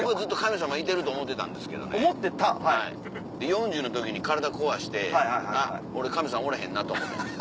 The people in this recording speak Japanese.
４０の時に体こわしてあっ俺神様おれへんなと思うてん。